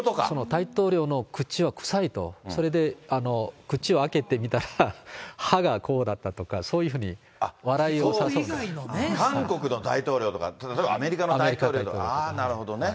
大統領の口は臭いと、それで口を開けてみたら、歯がこうだったとか、韓国の大統領とか、例えばアメリカの大統領だとか、ああ、なるほどね。